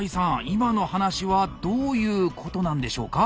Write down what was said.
今の話はどういうことなんでしょうか？